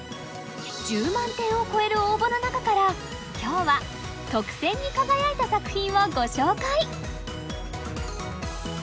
１０万点を超える応募の中から今日は特選に輝いた作品をご紹介！